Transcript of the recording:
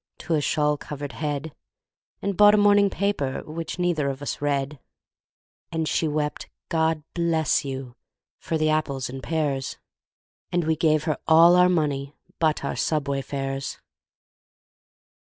to a shawl covered head, And bought a morning paper, which neither of us read; And she wept, "God bless you!" for the apples and pears, And we gave her all our money but our subway fares.